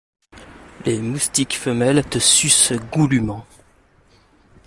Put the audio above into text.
Les moustiques femelles te sucent goulument.